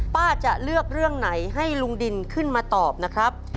ป้าจะเลือกเรื่องไหนให้ลุงดินขึ้นมาตอบนะครับ